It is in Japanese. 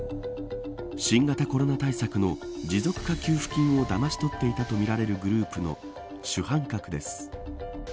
新型コロナ対策の持続化給付金をだまし取っていたとみられるグループの主犯格です。